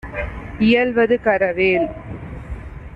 இயல்வது கரவேல்.